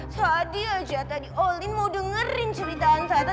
tadi aja tadi olin mau dengerin ceritaan tata